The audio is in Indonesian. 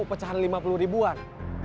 pecahan lima puluh ribuan